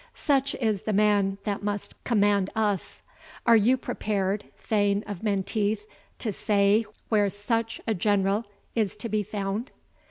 Such is the man that must command us. Are you prepared, Thane of Menteith, to say where such a general is to be found?"